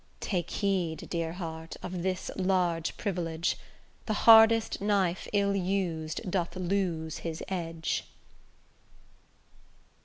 Take heed, dear heart, of this large privilege; The hardest knife ill us'd doth lose his edge.